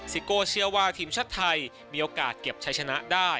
ซิโก้เชื่อว่าทีมชาติไทยมีโอกาสเก็บใช้ชนะได้